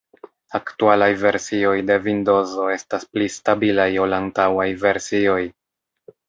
Aktualaj versioj de Vindozo estas pli stabilaj ol antaŭaj versioj.